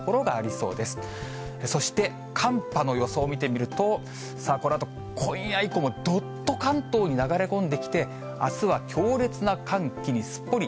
そして、寒波の予想を見てみると、このあと今夜以降も、どっと関東に流れ込んできて、あすは強烈な寒気にすっぽり。